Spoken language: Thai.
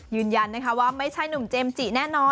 ยืนยันนะคะว่าไม่ใช่หนุ่มเจมส์จิแน่นอน